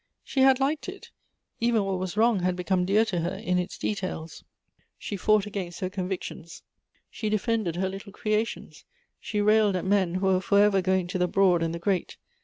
She had liked it : even what was wrong had become dear to her in its details. She fought against her convictions ; she defended her little creation ; she railed at men who were for ever going to the broad and the great.